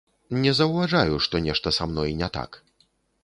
Не заўважаю, што нешта са мной не так.